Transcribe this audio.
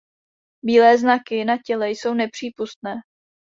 Bílé znaky na těle jsou nepřípustné.